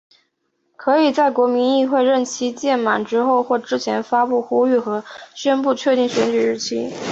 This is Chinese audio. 可以在国民议会任期届满之前或之后发布呼吁和宣布确定选举日期。